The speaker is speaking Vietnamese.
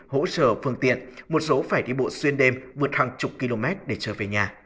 được trở phương tiện một số phải đi bộ xuyên đêm vượt hàng chục km để trở về nhà